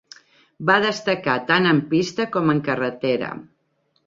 Va destacar tant en pista com en carretera.